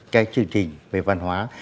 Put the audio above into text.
cái chương trình về văn hóa